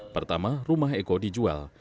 pertama rumah eko dijual